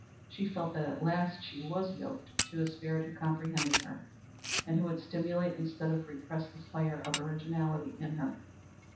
She felt that at last she was yoked to a spirit who comprehended her and who would stimulate instead of repress the fire of originality within her.